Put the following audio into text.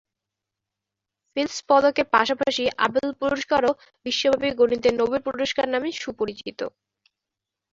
Fields পদকের পাশাপাশি Abel পুরস্কারও বিশ্বব্যাপী গণিতের "নোবেল পুরস্কার" নামে সুপরিচিত।